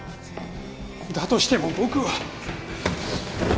だとしても僕は！